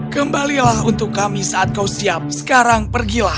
kembalilah untuk kami saat kau siap sekarang pergilah